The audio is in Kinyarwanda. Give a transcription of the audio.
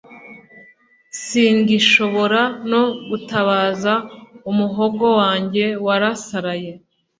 Singishobora no gutabaza umuhogo wanjye wasaraye